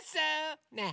ねえ